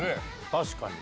確かにね。